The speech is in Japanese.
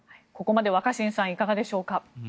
ここまで若新さんいかがでしょうか。